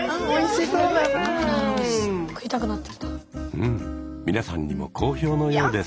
うん皆さんにも好評のようです。